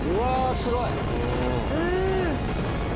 すごい。